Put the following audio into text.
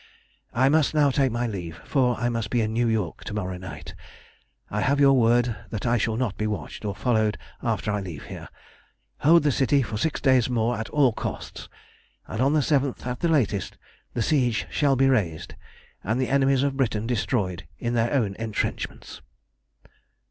"I must now take my leave, for I must be in New York to morrow night. I have your word that I shall not be watched or followed after I leave here. Hold the city for six days more at all costs, and on the seventh at the latest the siege shall be raised and the enemies of Britain destroyed in their own entrenchments."